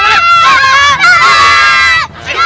jangan pak di